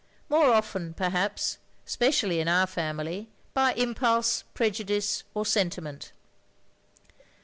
More often, perhaps, especially in our family, by impulse, prejudice, or sentiment.